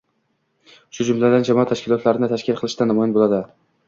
shu jumladan, jamoat tashkilotlarini tashkil qilishda namoyon bo‘ladi.